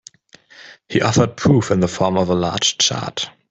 He offered proof in the form of a large chart.